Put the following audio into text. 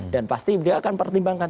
dan pasti beliau akan pertimbangkan